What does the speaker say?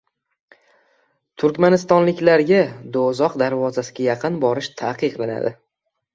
Turkmanistonliklarga «Do‘zax darvozasi»ga yaqin borish taqiqlandi